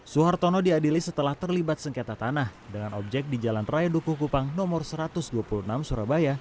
suhartono diadili setelah terlibat sengketa tanah dengan objek di jalan raya dukuh kupang nomor satu ratus dua puluh enam surabaya